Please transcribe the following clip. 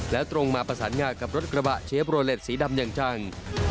แล้วตรงมาประสานงากับรถกระบะเชฟโรเล็ตสีดำอย่างจัง